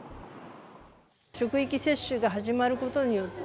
職域接種が始まることによって、